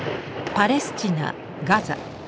パレスチナガザ。